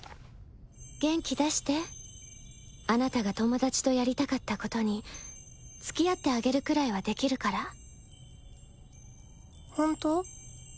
元気出してあなたが友達とやりたかったことに付き合ってあげるくらいはできるから本当？